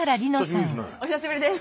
久しぶりですね。